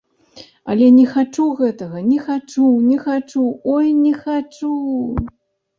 Але не хачу гэтага, не хачу, не хачу, ой не хачу!